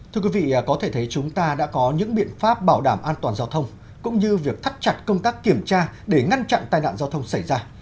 thưa quý vị có thể thấy chúng ta đã có những biện pháp bảo đảm an toàn giao thông cũng như việc thắt chặt công tác kiểm tra để ngăn chặn tai nạn giao thông xảy ra